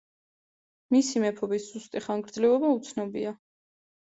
მისი მეფობის ზუსტი ხანგრძლივობა უცნობია.